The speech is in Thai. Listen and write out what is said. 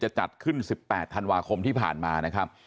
จัดขึ้น๑๘ธันวาคมที่ผ่านมานะครับ